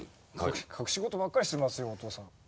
隠し事ばっかりしてますよお父さん。